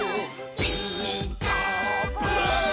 「ピーカーブ！」